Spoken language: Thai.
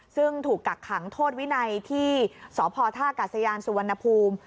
ซึ่งถูกกักขังโทษวินัยที่สพท่ากาศยานสุวรรณภูมิ